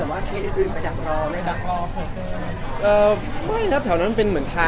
ไม่ครับแถวนั้นถือว่า